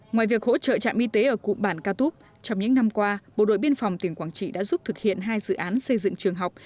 ngoài việc hỗ trợ trạm y tế ở cụm bản ca túp trong những năm qua bộ đội biên phòng tỉnh quảng trị đã giúp thực hiện hai dự án xây dựng trường học